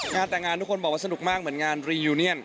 งานแต่งงานทุกคนบอกว่าสนุกมากเหมือนงานรียูเนียน